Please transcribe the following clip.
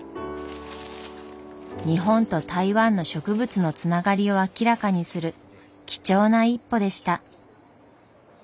日本と台湾の植物のつながりを明らかにする貴重な一歩でした。